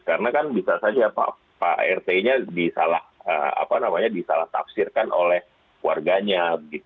karena bisa saja pak rti nya disalahtafsirkan oleh warganya